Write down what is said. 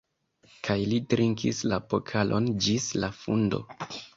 Kaj li trinkis la pokalon ĝis la fundo.